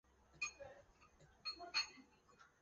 此站是京王电铁车站之中唯一位于目黑区的。